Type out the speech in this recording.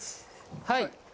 はい！